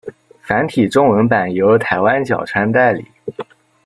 繁体中文版由台湾角川代理。